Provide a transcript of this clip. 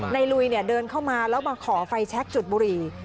ลุยเดินเข้ามาแล้วมาขอไฟแชคจุดบุหรี่